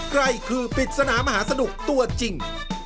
ใครคือปริศนามหาสนุกตัวจริง